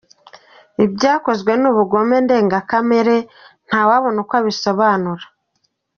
Ibyakozwe ni ubugome ndengakamere, ntawabona uko abisobanura.